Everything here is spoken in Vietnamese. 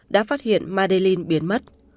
đã phát hiện madeleine biến mất